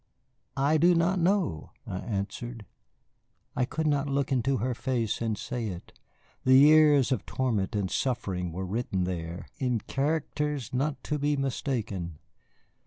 "I do not know," I answered. I could not look into her face and say it. The years of torment and suffering were written there in characters not to be mistaken.